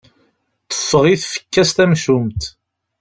Teffeɣ i tfekka-s tamcumt.